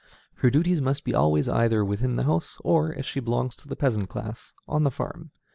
Her duties must be always either within the house, or, if she belongs to the peasant class, on the farm.